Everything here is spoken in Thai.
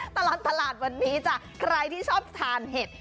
ตลอดตลาดวันนี้จ้ะใครที่ชอบทานเห็ด